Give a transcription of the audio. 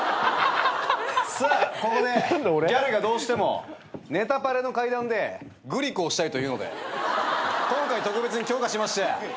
さあここでギャルがどうしても『ネタパレ』の階段でグリコをしたいというので今回特別に許可しました。